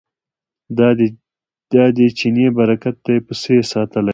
دا ددې چیني برکت دی پسه یې ساتلی دی.